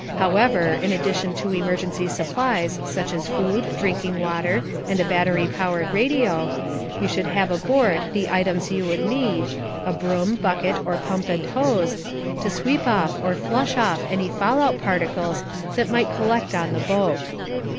However, in addition to emergency supplies such as food, drinking water and a battery powered radio, you should have aboard the items you would need (a broom, bucket, or pump and hose) to sweep off or flush off any fallout particles that might collect on the boat.